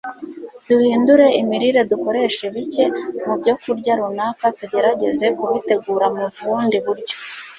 duhindure imirire; dukoreshe bike mu byokurya runaka; tugerageze kubitegura mu bundi buryo